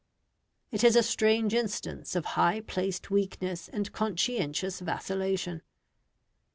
It is a strange instance of high placed weakness and conscientious vacillation.